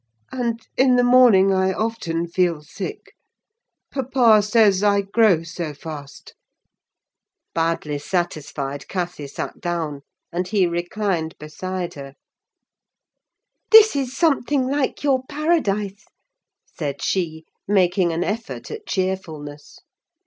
And, in the morning, I often feel sick—papa says I grow so fast." Badly satisfied, Cathy sat down, and he reclined beside her. "This is something like your paradise," said she, making an effort at cheerfulness.